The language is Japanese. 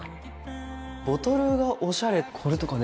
ボトルがオシャレこれとかね。